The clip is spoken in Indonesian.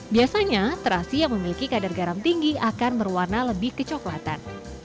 biasanya terasi yang memiliki kadar garam tinggi akan berwarna lebih kecoklatan